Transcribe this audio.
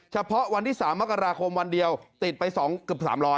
เฉพาะวันที่๓มกราคมวันเดียวติดไป๒เกือบ๓๐๐